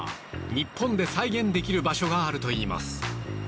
日本で再現できる場所があるといいます。